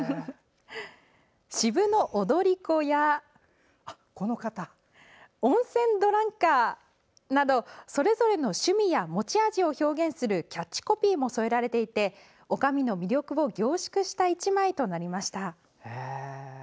「渋の踊り子」や「温泉ドランカー」などそれぞれの趣味や持ち味を表現するキャッチコピーも添えられていておかみの魅力を凝縮した１枚となりました。